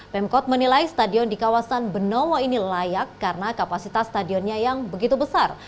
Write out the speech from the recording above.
pemkot menilai stadion di kawasan benowo ini layak karena kapasitas stadionnya yang begitu besar